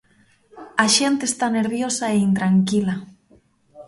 A xente está nerviosa e intranquila.